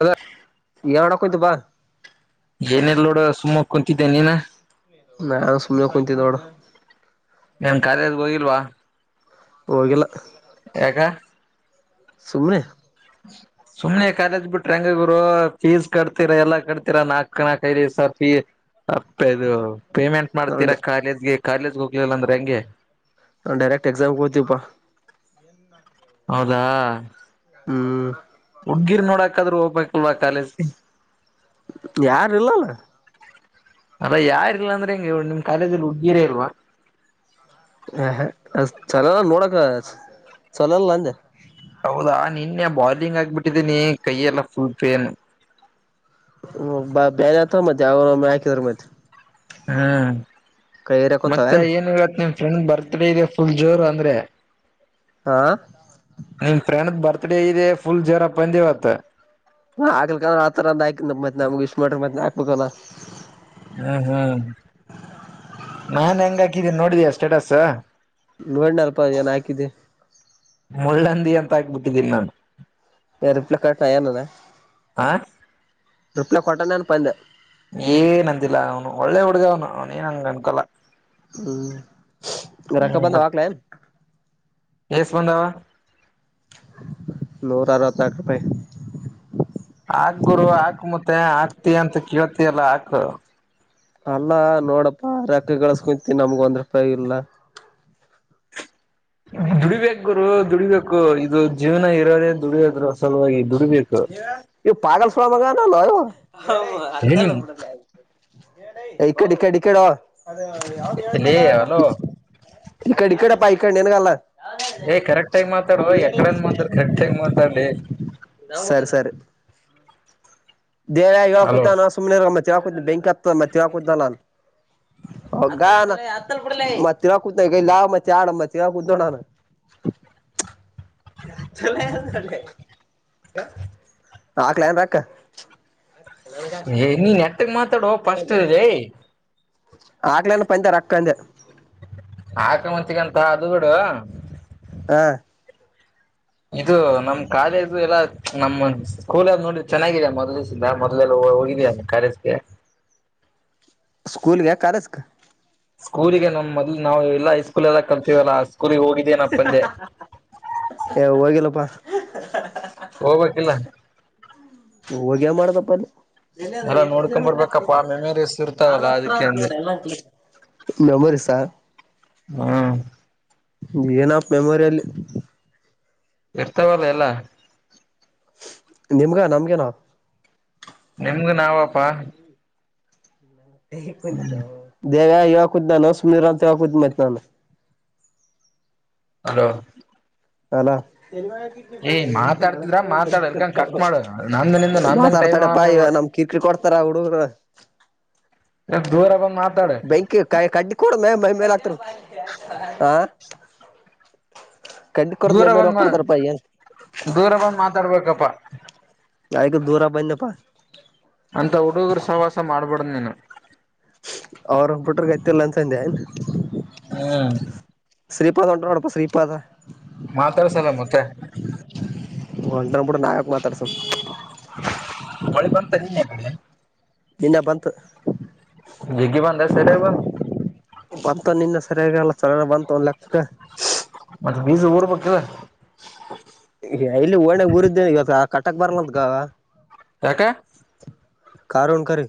ಅದ ಗೇಮ್ ಆಡುತ್ತೇವೆ ಬಾ ಏನಲ್ ನೋಡು ಸುಮ್ಮ ಕುಂತಿದ್ದೆ ನೀನ ನಾನು ಸುಮ್ಮ್ಯ ಕುಂಂತ ನೋಡ ಮಾತೆ ಖಾಲ್ಯದ ಹೋಗಿಲ್ವಾ ಹೋಗಲ್ಲ ಯಾಕ ಸಮನೆ ಸುಮ್ನೆ ಕಾಲೇಜ್ ಬಿಟ್ರೆ ಹೆಂಗ ಗುರು ಫೀಸ್ ಕಟ್ತಿೀರಾ ಎಲ್ಲಾ ಕಟ್ತಿೀರಾ ನಾಲ್ಕು ಕಣಕ್ ಐ ಸರ್ ಫೀ ಅಪ್ಪ ಇದು ಪೇಮೆಂಟ್ ಮಾಡ್ತೀರಾ ನಾವ್ ಕಾಲೇಜ್ಗೆ ಕಾಲೇಜ್ಗೆ ಹೋಗ್ಲಿಲ್ಲ ಅಂದ್ರೆ ಹೆಂಗೆ ನಾ ಡೈರೆಕ್ಟ್ ಎಕ್ಸಾಮ್ಗೆ ಹೋಗ್ತಪಾ ಹೌದಾ ಹ್ಮ್ ಹೊಡೆಗೇರು ನೋಡಕಾದ್ರೂ ಹೋಗ್ಬೇಕಕ್ಲ್ವಾ ಕಾಲೇಜಿ ಯಾರು ಇಲ್ಲ ಅಲಾ ಅಲ್ಲ ಯಾರ್ಲ್ಲ ಅಂದ್ರೆ ಹೆಂಗಗೆ ನಿಮ್ ಕಾಲೇಜಲ್ಲಿ ಹುಡುಗಿರ ಇಲ್ವಾ ಹೇ ಹೆ ಚಲೋಲ್ಲ ನೋಡಕ ಚಲೋಲ್ಲ ಅಂಡೇ ಹೌದಾ ನಿನ್ನೆ ಬಾಲಿಂಗ್ ಆಗ್ಬಿಟ್ಟಿದ್ದೀನಿ ಕೈಯ ಎಲ್ಲ ಫುಲ್ ಪೇನ್ ಹ್ಮ್ ಬ ಬಾನೆ ಆತ್ರ ಮತ್ತೆ ಯಾವ ಹಾಕಿದ್ರ ಮತ್ತೆ ಹ್ಮ್ ಮತ್ತೆ ಏನ್ ಇವತು ನಿಮ್ ಫ್ರೆಂಡ್ ಬರ್ತ್ಡೇ ಇದೆ ಫುಲ್ ಜೋರು ಅಂದ್ರೆ ಹಾ ನಿಮ ಫ್ರೆಂಡ್ ಬರ್ಥ್ ಡಬರ್ತಡೇ ಇದೆ ಫುಲ್ ಜ್ರಪ್ಪ ಅಂದವತ್ತ ಹಾಕ್ಲಿಕಂದ್ರ ಹೌದಲ್ಲ ಹ್ಮ್ ಹ್ಮ್ ನಾನ್ ಹೆಂಗ ಹಾಕಿದ್ದೀಿ ನೋಡಿದಯ ಸ್ಟೇಟಸ್ ನೋಡಣ ಅಲ್ಪ ಏನ್ ಹಾಕಿದ್ದೆ ಮುಳ್ಳಂದಿ ಅಂತ ಆಾಕ್ಬಿಟ್ಟಿದ್ದೀನಿ ನಾನು ಏ ರಿಪ್ಲೈ ಕಟ್ಟ ಏನದ ಹ ರಿಪ್ಲೈ ಕೊಟ್ಟಾನ ಏನ್ ಪಂದೆ ಏನ್ಂದಿಲ್ಲ ಅವನು ಒಳ್ಳೆ ಹುಡುಗ ಅವ್ನು ಅವನು ಏನ್ಂಗ ಅನ್ಕೊಲ್ಲ ಹ್ಮ್ ರಕ್ಕ ಬಂದ ಹಗಲೇ ಎಸ್ ಬಂದಾವ ನೂರ ಅರವತ್ತಕ ರೂಪಾಯಿ ಹಾಕು ಗುರು ಹಾಕ್ ಮತ್ತೆ ಹಕ್ತೆಯ ಅಂತ ಕೇಳ್ತಿಯಲ್ಲ ಹಾಕ್ ಅಣ್ಣ ನೋಡಪ್ಪಾ ರೆಕ್ಕ ಳಸ್ಕೊಂತೀ ನಮ್ಗ ಒಂದ್ ರೂಪಾಯಿ ಇಲ್ಲ ದುಡಿಬೇಕುರಗುರು ದುಡಿಬೇಕು ಇದು ಜೀವನ ಇರೋದೇ ದುಡಿಯದ್ರು ಅ ಸಲುವಾಗಿ ದುಡಿಬೇಕು ಇ ಪಾಗಲ್ ಸುಳ್ಳ ಮಗಾವ ನಲ್ಲೋಯ [unintelligible] ಹೌ ಏ ಹಲ್ಲ ನಿಮ್ [unintelligible] ಈ ಕಡಿ ಕಡಿ ಕಡೆ ಅದ ಯಾವದೂ ಹೇಳ್ನೇ ಲೇ ಅಲ್ಲ ನಾನು ಹಲೋ ಈ ಕಡೆ ಈ ಕಡಪ್ಪ ಈಕ ನನ್ಗಲ್ಲ ಹೇ ಕರೆಕ್ಟ್ ಟಮ್ ಮಾತಾಡುವ ಎಕಡನ್ ಮಾತಾಡ್ ಕರೆಕ್ಟ್ ಆಗೆ ಮಾತಾಡ್ಡಿ ಸರಿ ಸರಿ ಬೇರೆ ಹಲೋ ಹಕುದಾನ ಸುಮನೆ ಮತ್ತೆ ಹಾಕುದ್ ಬೆಂಕ ಹತ್ತತ್ದ ಮತ್ತ ಹಾಕುದಲ್ಲ ಹಗ ಮತ್ತರ ಕೂತ್ ಮತ್ತೆ ಆಡ ಮತ್ತರ ಕೂತ್ೋಣಾನ ಯತಲ್ಲ [inaudible] [unintelligible] ಹಾಕುಯನ್ ರೊಕ್ಕ ಹೇ ನೀ ನೆಟಕ್ಕೆ ಮಾತಾಡ ಫಸ್ಟ್ ಲೀ ಹಾಕುಲೀ ಪಂತ ರಕ್ಕಂದೆ ಆಕ ಮುಂಚಗಂತ ಅದು ಬಿಡು ಹಾ ಇದು ನಮ್ ಕಾಲೇಜು ಎಲ್ಲಾ ನಮ್ಮ ಸ್ಕೂಲದ ನೋಡ್ರಿ ಚೆನ್ನಾಗಿದೆ ಮೊದಲ್ಲ ನಾವು ಮೊದಲ ಓ ಹೋಗೆಯ ಕಾಲೇಜಿಗೆ [inaudible] ಸ್ಕೂಲ್ ಗ ಕರೆಸಕ ಸ್ಕೂಲಿಗೆ ನಮಮ್ಮ ಮೊದ್ಲು ನಾವುಲ್ಲ ಹಐಸ್ಕೂಲ್ ಎಲ್ಲ ಕರ್ತೀವಲ್ಲ ಕುರಿ ಹೋಗಿದ್ದೇನ ಅಪ್ಪಂದೆ ಹ ಹೋಗ್ಬೇಕಕ್ಿಲ್ಲ ಹೋಗ್ಯ ಮಾಡದಪ್ಪ ಅಲ್ಲ ಬೆ ಅದ ಎಲ್ಲ ಎಷ್ಟ್ ನೋಡ್ಕೊಂಡ್ ಕಲೋಮೀಟರ್ ಆಯತು ಬರ್ಬೇಕಪ್ಪಾ ನೋ ಮೆಮರೀಸ್ ಯಾವ್ದ್ ಇರ್ತಾವಲ್ಲ ಹತ್ರ ಅದಕ್ಕೆ ಆಯತತ್ ಅಂದೆ ನೋಡ್ರ ಎಲ್ಲ ಕ್ಲ ನೆನಪುಗಳು ಆಹ್ ಹ್ಮ್ ಏನಪ್ಪ ಮೆಮೊರಿಯಲ್ಲಿ ಇರ್ತವಲ್ಲ ಎಲ್ಲ ನಿಮ್ಗ ನಮ್ಗೆೇನಾ ನಿಮ್ದು ನಾವಪಾ ಕ ಕೊಂತ [inaudible] ದೇವ ಇವಾಗ ಕುೂುದ ನಾನು ಸುಮ್ನಿರು ಅಂತ ಇ ಕುೂುದ ಮಾಡ್ತ ನಾನು ಹಲೋ ಅಲ ಮಾತಾಡ್ತಿದ್ರ ಮಾತಾಡ ಎಲ್ಕಂಗ ಕಟ್ ಮಾಡು ನಂದನಿಂದ ನಂದನ್ ಟೈಮ್ ಹಾಳ್ ಮಾತಾಡ್ತಾಡಪ್ಪಾ ಇ ನಮ ಮಾಡ್ಬೇಡ ಕಿರಿಕಿರಿ ಕೊಡ್ತಾರ ಹುಡುಗರು ದೂರ ಬಂದ್ ಮಾತಾಡ ಬೆಂಕಿ ಕಡ್ಡಿ ಕೊೂಡ ಮೇ ಮೈ ಮೇಲೆ ಆ ಧುರ ಬಂದು ಏನ್ ಧುರ ಬಂದು ಮಾತಾಡ್ಬೇಕಪ್ಪಾ ಯಗ ದೂರ ಬನ್ನಪ್ಪಾ ಅಂತ ಹುಡುಗರು ಸವಾಸ ಮಾಡ್ಬೇಡ್ದ್ ನೀನು ಅವರು ಪುಟರ್ಗೆೈತ್ತ ಲಂ ಚಂದೆ ಹ್ಮ್ ಶ್ರೀಪಾದ್ ಉಂಟರಡಪ್ಪಾ ಶ್ರೀಪಾದ ಮಾತಾಡ್ಸಲ ಮತ್ತೆ ಒಂಟೂಡ ನಾವು ಯಾಕೆ ಮಥ್ಡಿಸ್ಬೆಕು ಒಳಿ ಬಂದುತ ನೀ ಮ ಕಡೆ ಇನ್ನ ಬಂತು ಜಿಗಿ ಬಧ ಸೆರ ಇ ಬ ಬಂತ ನಿನ್ನೆ ಸರಿಯಾಗಲ್ಲ ಚ ಬಂತು ಒಂದ್ ಲೆಕ್ಕ ಮೀಸ ಊರ್ಪಕ್ಕಲ್ಲ ಎಲ್ಲಿ ಓಣಗ್ ಊರಿದ್ದೇ ಇವತ್ತು ಕಟಕ್ ಬರ್ಲಂತಕ ಯಾಕೆ ಕಾರಣ ಕರಿ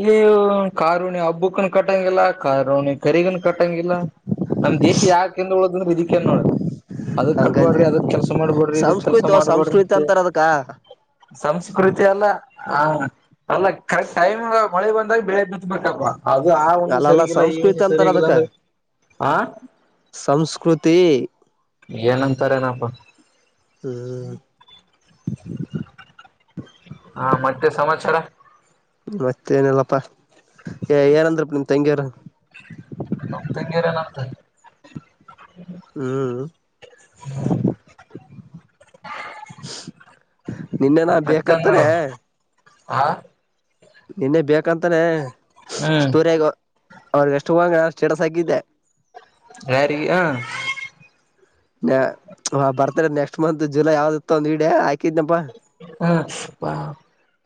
ಇಲ್ಲಿ ಕಾರುಣಿ ಹಬ್ಬುಕ್ಕನ ಕಟ್ಟಂಗಗೆಲ್ಲ ಕಾರೋಣಿ ಕರಗನ್ ಕಟ್ಟಂಗಿಲ್ಲ ನಮ್ ದೇಶ ಯಾಕಂದ ಉಳದಂದ್ರೆ ಇದ ಏನ್ ನೋಡ ಅದಕ್ ಹಂಗಂದೆ ಕಟ್ಬೇಡ್ರಿ ಅದಕ್ ಕೆಲ್ಸ ಮಾಡ್ಬೇಡ್ರಿ ಇದಕ್ ಕೆಲ್ಸ ಸಂಸ್ಕೃತ ಮಾಡ್ಬಡ್ರಿ ಸಂಸ್ಕೃತ ಅಂತ ಅಂತಾರ ಅದಕ್ಕ ಸಂಸ್ಕೃತಿ ಅಲ್ಲ ಹ ಅಲ್ಲ ಕರೆಕ್ಟ್ ಟೈಮ್ ಮಳೆ ಬಂದಾಗ ಬೆಳೆ ಬಿತ್ಬೇಕಪ್ಪವಾ ಅದು ಆ ಹುಣಿ ಅಲ್ಲಲ್ಲ ಸರಿಯ ಇಲ್ಲ ಈ ಸಂಸ್ಕೃತಿ ಹುಣ್ಣಿ ಅಂತಾರ ಸರಿಗಿಲ್ಲಾ ಅದಕ್ಕ ಅಂದ್ರೆ ಆ ಸಂಸ್ಕೃತಿ ಏನಂತಾರ ಏನಪ್ಪ ಹ [inaudible] ಹಾ ಮತ್ತೆ ಸಮಾಚಾರ ಮತ್ತ ಏನಲ್ಲಪ್ಪಾ ಏಾರಂದ್ರಪ್ಪ ನಿಮ್ ತಂಗಿಯಾರ ನಮಂತಗೆಲ್ಲ ನಂತೆ ಹ್ಮ್ ನಿನ್ನೆನ ಬೇಕತ್ತಾರೆ ಹಾ ನಿನ್ನೆ ಬೇಕಂತಾನೆ ಹ್ಮ್ ಸ್ಟೂರಗ ಅವ್ರಿಗೆ ಎಷ್ಟು ಹೋಗಾಗು ಸೇಡಸ್ ಹಕಿದ್ದೆ ಯಾರಿಗೆ ಹ ನ ಬರ್ತಾರೆ ನೆಕ್ಸ್ಟ್ ಮಂತ್ ಜುಲೈ ಯಾವ್ದ ಇತ್ತ ಒ ಇಡ ಆ ಹಪಾ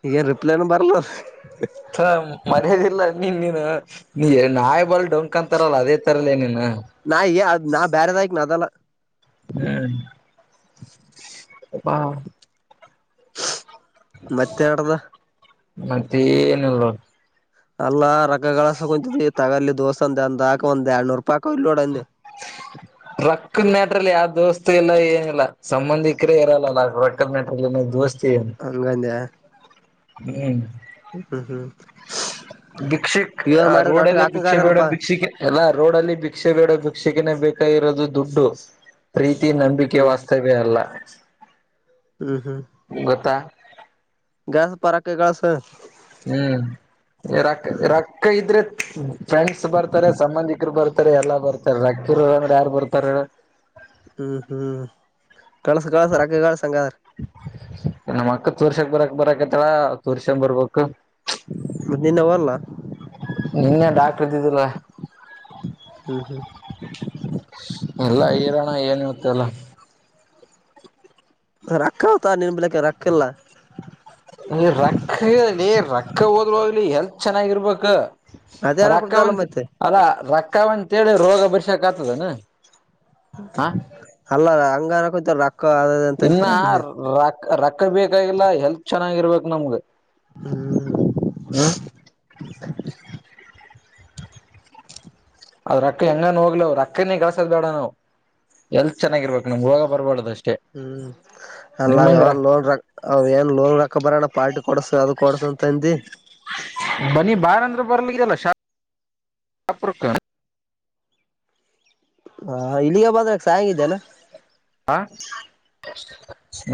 ಈಗನ್ ರಿಪ್ಲೈನು ಬರ್ಲ ಹ ಮರ್ಯಾದಿಲ್ಲ ನೀನು ನಾಯ ಬರ್ ಬಂಕ್ ತರಲ್ಲ ಅದೇ ತರಲ್ಲ ಏನನ್ ನಾ ಏ ಅದ್ ನಾ ಬ್ಯಾರೆದಾಯಕ್ ನ ಅದಲ್ಲ ಹ್ಮ್ ಹಾ ಮತ್ತೆಡದಾ ಮತ್ತೆ ಏನಲ್ ಅಲ್ಲಾ ರಕ್ಗಳಸ ಕುಂಂತತಿ ತಗಲಿ ದೋಸ ಅಂದ ಅಂದಾಕ ಒಂದ್ ಎರಡ್ನೂರ್ ರೂಪಾಯಿಕ ಇಲ್ ನೋಡಂದ [inaudible] ರೊಕ್ಕದ ಮ್ಯಾಟ್ರಲ್ಲಿ ಯಾವ ದೋಸ್ತ ಎಲ್ಲ ಏನಿಲ್ಲ ಸಂಬಂಧಿಕರೇ ಇರಲ್ಲಲ್ಲ ರೊಕ್ಕ ಮ್ಯಾಟ್ರಲ್ಲಿ ದೋಸ್ತ್ ಹಂಗಂತ ಹ್ಮ್ ಹ್ಮ್ ಹ್ಮ್ ಭಿಕ್ಷಿಕ್ ಇವ್ರ್ ಆ ಮಾಡಿದ್ ರೋಡ ನಾಟಕ ಅಲ್ಲಿ ಭಿಕ್ಷೆ ಬೇಡೋ ಹಾಕಂಗಾರಲ್ಲಪಾ ಭಿಕ್ಷಿಕ್ ಎಲ್ಲ ರೋಡ್ ಅಲ್ಲಿ ಭಿಕ್ಷೆ ಬೇಡೋ ಶಿಕ್ಷಗನೇ ಬೇಕಾಗಿರೋದು ದುಡ್ಡು ಪ್ರೀತಿ ನಂಬಿಕೆ ಹ್ಮ್ ವಾಸ್ತವ್ಯ ಅಲ್ಲ ಗತ್ತ ಗ್ಯಾಸ್ ಪರಾಕ್ಕೆ ಗಳಸ ಹ್ಮ್ ರೊಕ್ಕ ರೊಕ್ಕ ಇದ್ರೆ ಫ್ರೆಂಡ್ಸ್ ಬರ್ತಾರೆ ಸಂಬಂಧಿಕರು ಬರ್ತಾರೆ ಬತ ಎಲ್ಲಾ ಬರ್ತಾರೆ ರಕ್ಕಿರ್ಂದ್ರೆ ಯಾರು ಬರ್ತಾರ ಹ್ಮ್ ಹ್ಮ್ ಕಳಸ ಕಳಸರ್ ಅಕ್ಕ ಕಳಸಂಗ ಸರ್ ಇನ್ನ ಅಕ್ಕ ತೋರ್ಸಕ್ ಬರಕ್ ಬರಕತ್ತಲ ತೋರ್ಸಂಗ ಬರ್ಬೇಕು ಮತ್ತೆ ನಿನ್ವ ಅಲ್ಲ ನಿನ್ನೆ ಡಾಕ್ ಇದಿದ್ದಿಲ್ಲ ಹ್ಮ್ ಹ್ಮ್ ಎಲ್ಲ ರೋಣ ಏನು ಚಲ ರೊಕ್ಕ ಆತಾ ನಿನ್ ಬಿಳಕ್ಕೆ ರೊಕ್ಕ ಎಲ್ಲ ರಕ್ಕಲಿ ರೊಕ್ಕ ಹೋದ್ಗ್ಲಿ ಎಲ್ ಚೆನ್ನಾಗಿರ್ಬೇಕ ಅದೇ ಅನಕುಂತಲ್ಲ ರಕ್ಕವಂತ ಮತ್ತೆ ಅಲ್ಲಾ ರಕ್ಕತವಂತೇಳಿ ರೋಗ ಬರ್ಸಕ್ ಆಗ್ತದನಾ ಅಲ್ಲ ಅಂಗಾರಕ್ಕೂತಾರ ರಕ್ಕ ಅ ಇನ್ನ ಅಂತಂತರ ಅ ರಕ್ ರೊಕ್ಕ ಬೇಕಾಗಿಲ್ಲ ಹೆಲ್ತ್ ಚೆನ್ನಾಗಿರ್ಬೇಕು ನಮ್ಗ ಹ್ಮ [inaudible] ಅದ್ ರೊಕ್ಕ ಹೆಂಗಾನ ಹೋಗ್ಲ ರೊಕ್ಕನೇ ಕೆಳಸದ ಬೇಡ ನಾವವು ಎಲ್ ಚೆನ್ನಾಗಿರ್ಬೇಕು ನಿಮ್ಗೆ ಹೋಗ ಬರ್ಬಾರ್ದ ಅಷ್ಟು ಹ್ಮ್ ಅಲ್ಲ ನ್ ಲೋನ್ ರಕ್ ಅವ್ರರು ಏನ್ ಲೋನ್ ರಕ್ಕ ಬರೋಣ ಪಾರಿ ಕೊಡಸು ಅದು ಕೊಡಡ್ಸ ಬನ್ನಿ ಬಾರ ಅಂದ್ರ ಬರಲಾಗಿರಲ್ಲ ಶಾಹಪುರಕ್ಕ ಹ ಇಲ್ಲಿಗೆ ಬದ್ರಕ ಸಾಯಂಗ ಇದೇನಾ ಹ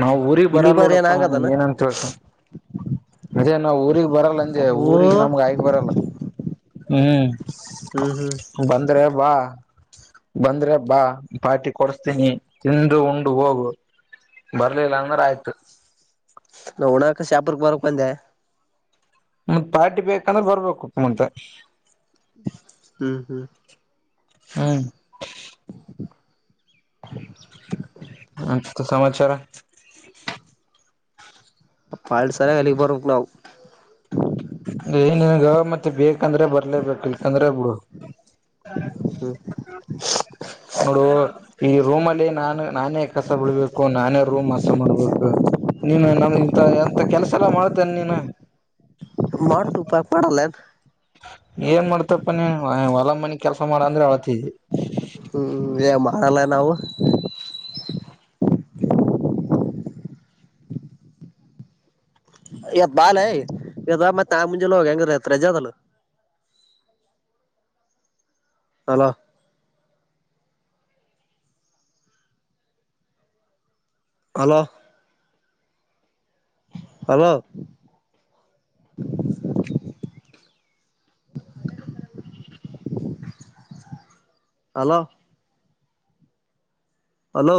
ನಾವ್ ಊರಿಗ್ ಇಲ್ಲಿಗ್ ಬರಲ್ ಬಂದ್ರ ಏನ್ ನೋಡಪ್ಪಾ ನೀ ಆಗದಾನ ಏನಂತೇತ ಅದೇ ನಾವ ಊಗ್ ಬರಲ್ಲ ಅಂಜೆ ಓ ಊರಿಗೆ ನಮಗ ಆಯಕ್ ಬರಲ್ಲ ಹ್ಮ್ ಹ್ಮ್ ಹ್ಮ್ ಬಂದ್ರೆಬಾ ಬಂದ್ರೆ ಬಾ ಪಾರ್ಟಿ ಕೊಡಸ್ತೀನಿ ತಿಂದು ಉಂಡು ಹೋಗು ಬರ್ಲಿಲ್ಲ ಅಂದ್ರೆ ಆಯ್ತು ನಾವುಣಕ ಶಾಪರ್ಕ್ಕೆ ಬರಕ್ ಬಂದೆ ಮತ್ ಪಾರ್ಟಿ ಬೇಕಂದ್ರೆ ಬರ್ಬೇಕುಪ್ಪ ಮಂತೆ ಹ್ಮ್ ಹ್ಮ್ ಹ್ಮ [inaudible] ಮ ಸಮಾಚಾರ ಪಾಳಸಾಲ ಅಲಿಗಿ ಬರ್ಬೆಕ್ ನಾವು ಏನನ್ ಮತ್ತೆ ಬೇಕಂದ್ರೆ ಬರ್ಲೇಬೇಕಿ ಚಂದ್ರಬುಡು ಹ್ಮ್ [inaudible] ನೋಡು ಈ ರೂಮಲ್ಲಿ ನಾನು ನಾನೇ ಕಸ ಬಿಳ್ಬೇಕು ನಾನೇ ರೂಮ್ ಅಸನ್ ಮಾಡ್ಬೇಕು ನೀನು ನಮ ಇಂತ ಎಂತ ಕೆಲ್ಸ ಎಲ್ಲ ಮಾಡ್ತೇನೆ ನೀನು [unintelligible] ಏನ್ ಮಾಡ್ತಪ್ಪ ನೀನ್ ಹೊಲ ಮನಿ ಕೆಲಸ ಮಾಡ ಅಂದ್ರೆ ಆಳತಿ ಇದಿ ಹ್ಮ್ ಏನ್ ಮಾಡಲ್ಲ ನಾವು ಇವತ್ ಬಾಲ್ಯ ಎದ್ ಮತ್ತೆ ಆ ಮುಂಜೆಲ್ಲ ಹೋಗಿ ಹೆಂಗತ್ ರಜಾದಲ್ಲ hello hello hello hello hello